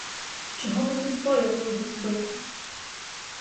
Чого мені стояло його збити?